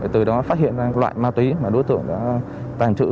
từ đó phát hiện ra loại ma túy mà đối tượng đã tàng trữ